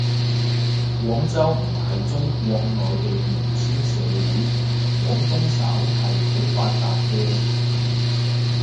廣州唔係中國內地農村社會，廣東省係好發達嘅